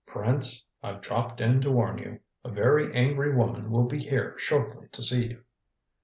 "Prince I've dropped in to warn you. A very angry woman will be here shortly to see you."